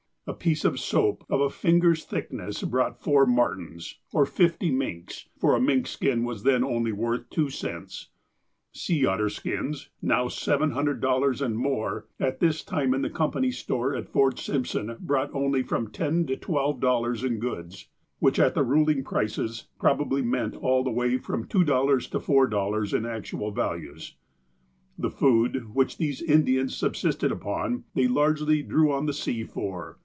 A piece of soap of a finger's thickness brought four martens, or fifty minks, for a mink skin was then only worth two cents. Sea otter skins, now $700 and more, at this time in the company's store at Fort Simpson, brought only from $10 to $12 in goods, which, at the ruling prices, probably meant all the way from $2 to $4 in actual values. The food, which these Indians subsisted upon, they largely drew on the sea for.